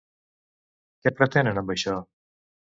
Què pretenen amb això?